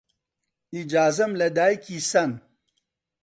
ئیجازەم لە دایکی سەن